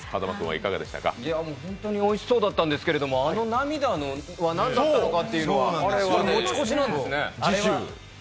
本当においしそうだったんですけれども、あの涙は何だったのか持ち越しなんですね。